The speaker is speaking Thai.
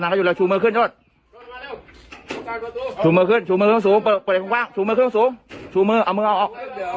วางชูมือขึ้นสูงชูมือเอามือเอาออก